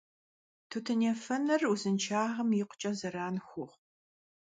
Тутын ефэныр узыншагъэм икъукӀэ зэран хуохъу.